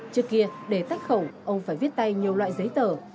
trước kia để tách khẩu ông phải viết tay nhiều loại giấy tờ